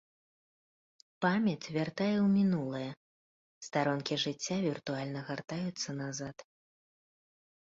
Памяць вяртае ў мінулае, старонкі жыцця віртуальна гартаюцца назад.